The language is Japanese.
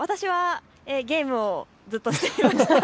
私はゲームをずっとしていました。